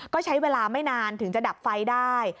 ก็ใช้เวลาไม่นานถึงจะดับไฟได้